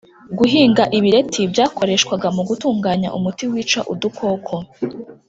guhinga ibireti byakoreshwaga mu gutunganya umuti wica udukoko .